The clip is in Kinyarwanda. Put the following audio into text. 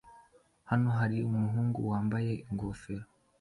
Hano hari umuhungu wambaye ingofero